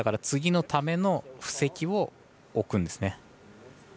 次のための布石を置くんですね。